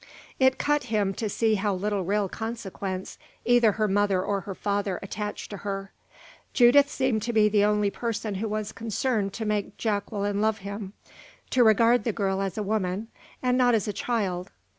It cut him to see how little real consequence either her mother or her father attached to her. Judith seemed to be the only person who was concerned to make Jacqueline love him; to regard the girl as a woman, and not as a child.